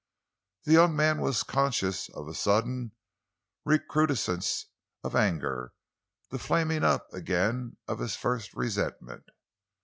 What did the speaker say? The young man was conscious of a sudden recrudescence of anger, the flaming up again of his first resentment.